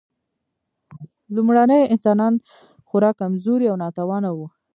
لومړني انسانان خورا کمزوري او ناتوانه وو.